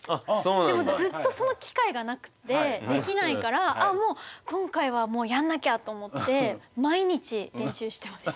でもずっとその機会がなくてできないからああもう今回はやらなきゃと思って毎日練習してました。